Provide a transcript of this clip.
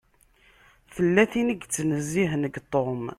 Tella tin i yettnezzihen deg Tom.